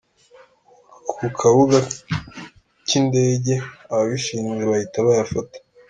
Ku Kabuga cy’indege ababishinzwe bahita bayafata.